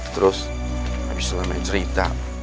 terus nabi sulaimannya cerita